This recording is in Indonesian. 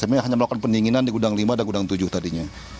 makan peninginan di gudang lima dan gudang tujuh tadinya